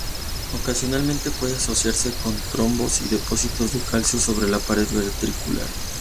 Ocasionalmente, puede asociarse con trombos y depósitos de calcio sobre la pared ventricular.